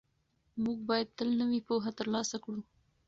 موږ باید تل نوې پوهه ترلاسه کړو.